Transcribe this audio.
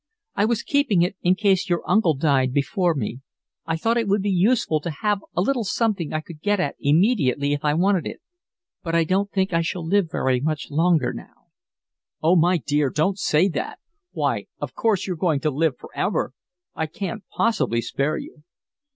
I was keeping it in case your uncle died before me. I thought it would be useful to have a little something I could get at immediately if I wanted it, but I don't think I shall live very much longer now." "Oh, my dear, don't say that. Why, of course you're going to live for ever. I can't possibly spare you."